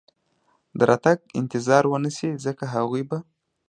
د راتګ انتظار و نه شي، ځکه هغوی به.